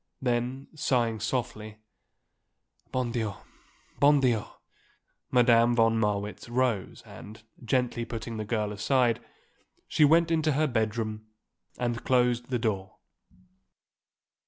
Then, sighing softly, "Bon Dieu! bon Dieu!" Madame von Marwitz rose and, gently putting the girl aside, she went into her bedroom and closed the door.